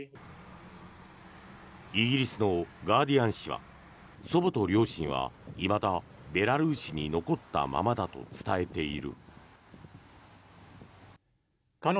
イギリスのガーディアン紙は祖母と両親はいまだベラルーシに残ったままだと伝えている。